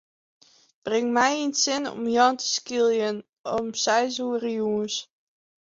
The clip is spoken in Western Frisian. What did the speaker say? Bring my yn it sin om Jan te skiljen om seis oere jûns.